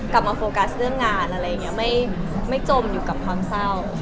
โฟกัสเรื่องงานอะไรอย่างนี้ไม่จมอยู่กับความเศร้า